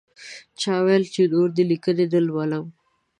چا ویل نور دې لیکنې نه لولم.